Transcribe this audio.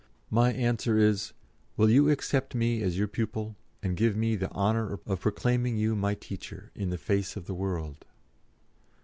"My answer is, will you accept me as your pupil, and give me the honour of proclaiming you my teacher in the face of the world?"